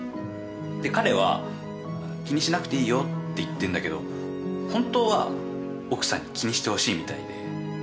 で彼は気にしなくていいよって言ってんだけど本当は奥さんに気にしてほしいみたいで。